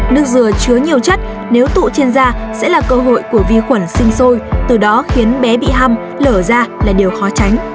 nước dừa chứa nhiều chất nếu tụ trên da sẽ là cơ hội của vi khuẩn sinh sôi từ đó khiến bé bị ham lở ra là điều khó tránh